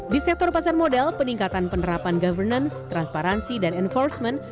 di sektor pasar modal peningkatan penerapan governance transparansi dan enforcement